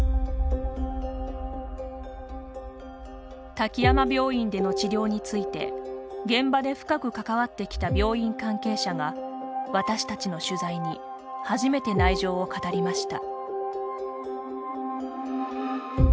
滝山病院での治療について現場で深く関わってきた病院関係者が私たちの取材に初めて内情を語りました。